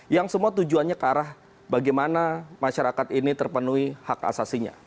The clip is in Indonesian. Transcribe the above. yang semua tujuannya ke arah bagaimana masyarakat ini terpenuhi hak asasinya